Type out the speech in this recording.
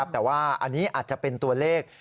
แต่ว่าอันนี้อาจจะเป็นตัวเลข